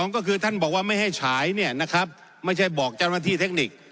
๒ก็คือท่านบอกไม่ให้ฉายเนี่ยนะครับไม่ใช่บอกจารยธรรมที่เทคนิค